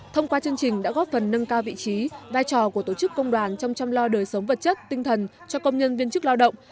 thông qua chương trình đã góp phần nâng cao vị trí vai trò của tổ chức công đoàn trong chăm lo đời sống vật chất tinh thần cho công nhân viên chức lao động